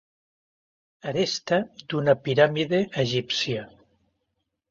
Aresta d'una piràmide egípcia.